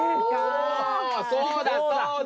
おそうだそうだ！